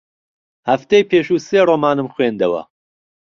هەفتەی پێشوو سێ ڕۆمانم خوێندەوە.